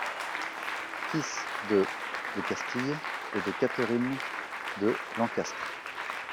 Fils de de Castille et de Catherine de Lancastre.